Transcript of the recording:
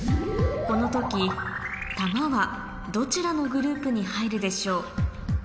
この時玉はどちらのグループに入るでしょう？